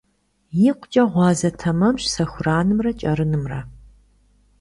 ИкъукӀэ гъуазэ тэмэмщ сэхуранымрэ кӀэрынымрэ.